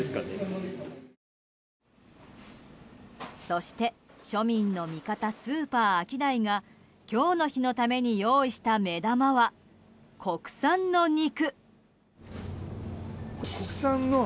そして庶民の味方、スーパーアキダイが今日の日のために用意した目玉は国産の肉。